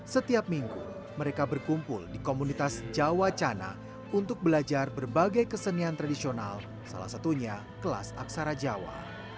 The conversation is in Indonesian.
setiap minggu mereka berkumpul di komunitas jawa cana untuk belajar berbagai kesenian tradisional salah satunya kelas aksara jawa